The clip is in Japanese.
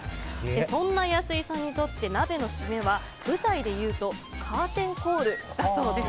そんな安井さんにとって鍋のシメは舞台でいうとカーテンコール。